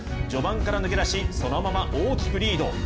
序盤から抜け出し、そのまま大きくリード。